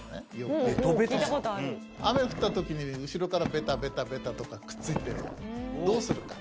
雨降ったときに後ろからべたべたべたとかくっついてどうするか？